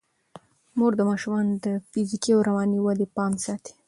مور د ماشومانو د فزیکي او رواني ودې پام ساتي.